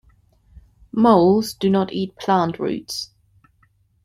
Moles do not eat plant roots.